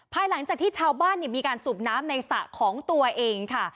ภายหลังจากที่ชาวบ้านมีการสูบน้ำในสระของตัวเองค่ะ